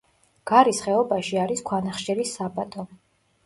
გარის ხეობაში არის ქვანახშირის საბადო.